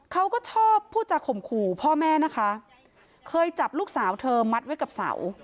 เขาก็ชอบพูดจากข่มขู่พ่อแม่นะคะเคยจับลูกสาวเธอมัดไว้กับเสา